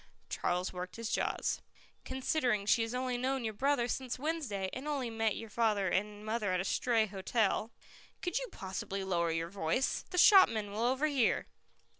Charles worked his jaws. "Considering she has only known your brother since Wednesday, and only met your father and mother at a stray hotel " "Could you possibly lower your voice? The shopman will overhear."